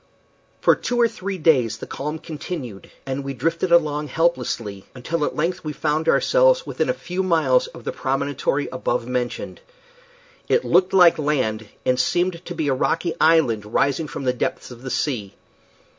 For two or three days the calm continued, and we drifted along helplessly, until at length we found ourselves within a few miles of the promontory above mentioned. It looked like land, and seemed to be a rocky island rising from the depths of the sea.